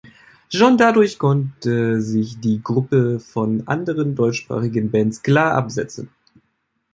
Schon dadurch konnte sich die Gruppe von anderen deutschsprachigen Bands klar absetzten.